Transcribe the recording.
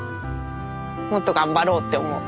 もっと頑張ろうって思う。